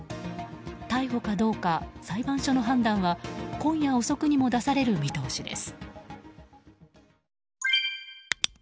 逮捕かどうか、裁判所の判断は今夜遅くにも出される見通しです。